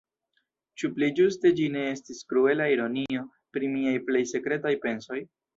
Ĉu pli ĝuste ĝi ne estis kruela ironio pri miaj plej sekretaj pensoj?